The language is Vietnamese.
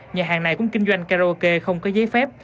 nhà hàng này cũng kinh doanh karaoke không có giấy phép